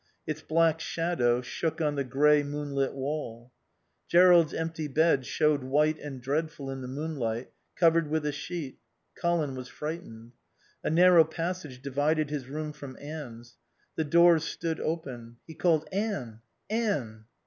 Its black shadow shook on the grey, moonlit wall. Jerrold's empty bed showed white and dreadful in the moonlight, covered with a sheet. Colin was frightened. A narrow passage divided his room from Anne's. The doors stood open. He called "Anne! Anne!"